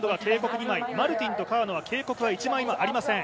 ２枚マルティンと川野は警告は１枚もありません。